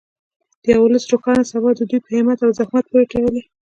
د یو ولس روښانه سبا د دوی په همت او زحمت پورې تړلې.